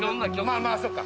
まあまあそっか。